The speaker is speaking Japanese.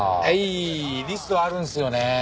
はいリストあるんですよね。